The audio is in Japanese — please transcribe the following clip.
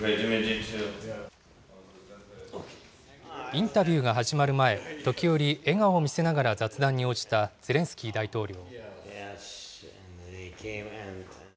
インタビューが始まる前、時折笑顔を見せながら雑談に応じたゼレンスキー大統領。